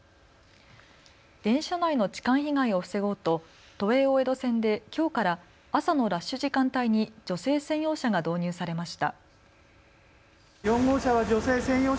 電車内の痴漢被害を防ごうと都営大江戸線できょうから朝のラッシュ時間帯に女性専用車が導入されました。